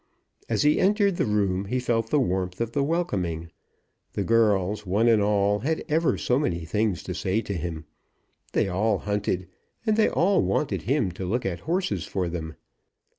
As he entered the room he felt the warmth of the welcoming. The girls, one and all, had ever so many things to say to him. They all hunted, and they all wanted him to look at horses for them.